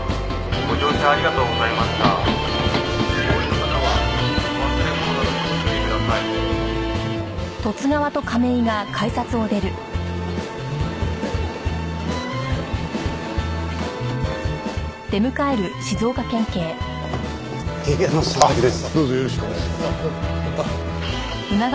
どうぞよろしくお願い致します。